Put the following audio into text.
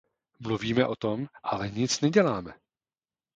Mluvíme o tom, ale nic neděláme.